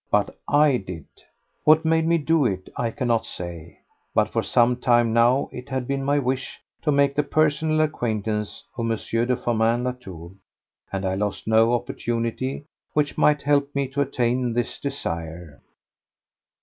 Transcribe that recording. But I did. What made me do it, I cannot say; but for some time now it had been my wish to make the personal acquaintance of M. de Firmin Latour, and I lost no opportunity which might help me to attain this desire.